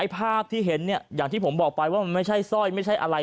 ภาพที่เห็นอย่างที่ผมบอกไปว่ามันไม่ใช่สร้อยไม่ใช่อะไร